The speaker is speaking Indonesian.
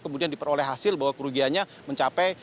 kemudian diperoleh hasil bahwa kerugiannya mencapai